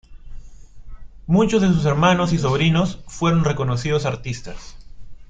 Muchos de su hermanos y sobrinos fueron reconocidos artistas.